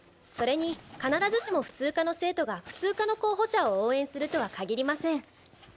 それに必ずしも普通科の生徒が普通科の候補者を応援するとは限りません。